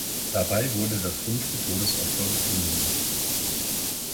Dabei wurde das fünfte Todesopfer gefunden.